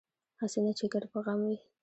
هسې نه چې ګډ په غم وي